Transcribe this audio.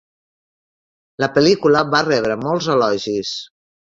La pel·lícula va rebre molts elogis.